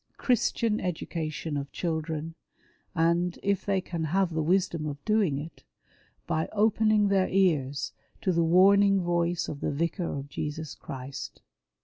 Christian education of children; and, if they can have the wisdom of doing it, by opening their ears to the warning voice of the Vicar of Jesus Christ.